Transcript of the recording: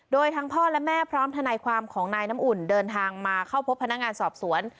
โดยทั้งพ่อและแม่พร้อมทนายความของนายน้ำอุ่นเดินทางมาเข้าพบพนักงานสอบสวน